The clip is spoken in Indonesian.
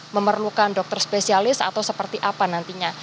memerlukan dokter spesialis atau seperti apa nantinya